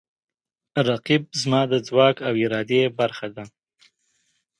رقیب زما د ځواک او ارادې برخه ده